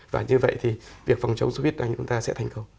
và như vậy thì việc phòng chống sốt huyết đánh của chúng ta sẽ thành công